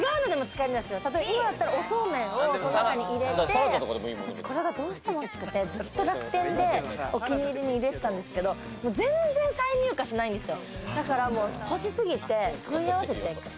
今だったら、おそうめんの中に入れたり、これが、どうしても欲しくて、ずっと楽天でお気に入りに入れてたんですけど、全然再入荷しないんですよ。